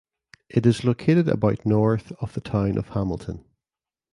It is located about north of the town of Hamilton.